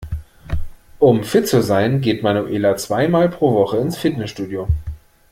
Um fit zu sein geht Manuela zwei mal pro Woche ins Fitnessstudio.